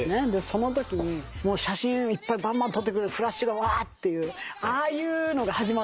そのときに写真いっぱいバンバン撮ってくるフラッシュがわーっていうああいうのが始まって。